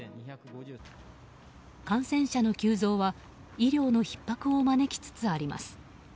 感染者の急増は医療のひっ迫を招きつつあります。